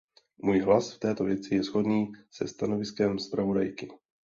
Můj hlas v této věci je shodný se stanoviskem zpravodajky.